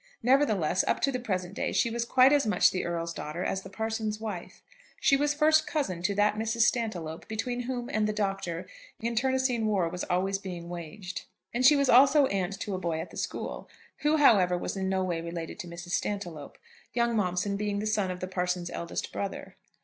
Nevertheless, up to the present day, she was quite as much the Earl's daughter as the parson's wife. She was first cousin to that Mrs. Stantiloup between whom and the Doctor internecine war was always being waged; and she was also aunt to a boy at the school, who, however, was in no way related to Mrs. Stantiloup, young Momson being the son of the parson's eldest brother.